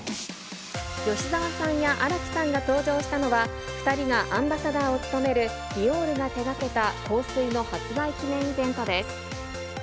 吉沢さんや新木さんが登場したのは、２人がアンバサダーを務める、ディオールが手がけた香水の発売記念イベントです。